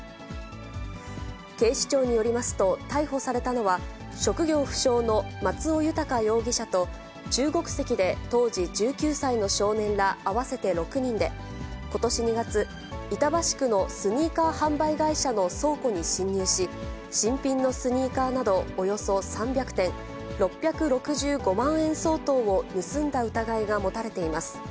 警視庁によりますと、逮捕されたのは、職業不詳の松尾豊容疑者と、中国籍で当時１９歳の少年ら合わせて６人で、ことし２月、板橋区のスニーカー販売会社の倉庫に侵入し、新品のスニーカーなど、およそ３００点、６６５万円相当を盗んだ疑いが持たれています。